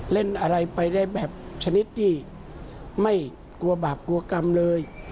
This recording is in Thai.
เล่นอะไรไปได้แบบชนิดที่ไม่กลัวบาปกลัวกรรมเลย